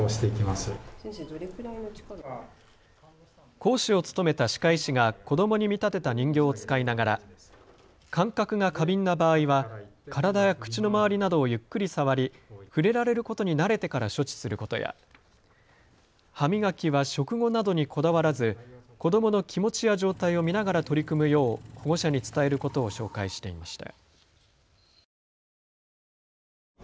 講師を務めた歯科医師が子どもに見立てた人形を使いながら感覚が過敏な場合は体や口の周りなどをゆっくり触り触れられることに慣れてから処置することや歯磨きは食後などにこだわらず子どもの気持ちや状態を見ながら取り組むよう保護者に伝えることを紹介していました。